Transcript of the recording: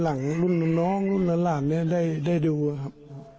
หลังรุ่นน้องรุ่นน้ำหลาดนี้ได้ดูนะครับ